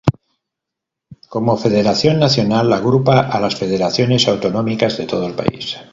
Como federación nacional, agrupa a las federaciones autonómicas de todo el país.